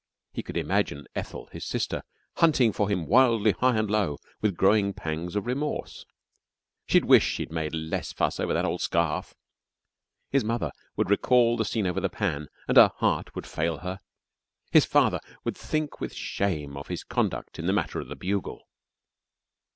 He could imagine Ethel, his sister, hunting for him wildly high and low with growing pangs of remorse. She'd wish she'd made less fuss over that old scarf. His mother would recall the scene over the pan and her heart would fail her. His father would think with shame of his conduct in the matter of the bugle.